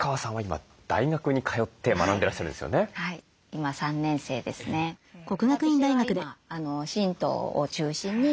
今３年生ですね。